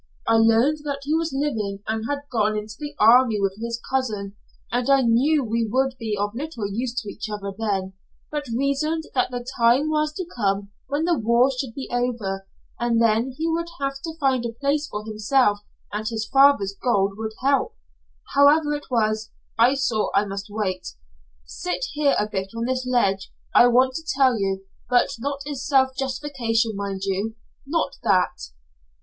I learned that he was living and had gone into the army with his cousin, and I knew we would be of little use to each other then, but reasoned that the time was to come when the war would be over, and then he would have to find a place for himself, and his father's gold would help. However it was I saw I must wait. Sit here a bit on this ledge, I want to tell you, but not in self justification, mind you, not that.